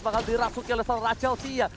bakal dirasuki oleh seorang rachel xia